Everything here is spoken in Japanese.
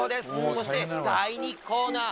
そして第２コーナー